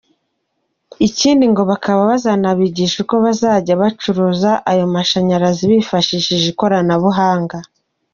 Ikindi ngo bakaba bazanabigisha uko bazajya bacuruza ayo mashanyarazi bifashishije ikoranabuhanga.